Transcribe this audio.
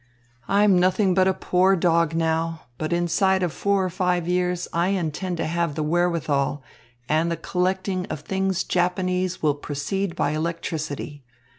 "I'm nothing but a poor dog now, but inside of four or five years I intend to have the wherewithal, and the collecting of things Japanese will proceed by electricity.